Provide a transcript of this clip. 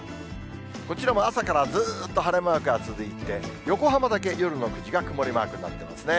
こちらも朝からずっと晴れマークが続いて、横浜だけ夜の９時が曇りマークになっていますね。